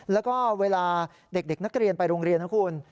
แล้วก็เวลาเด็กนักเรียนไปโรงเรียนนะคุณ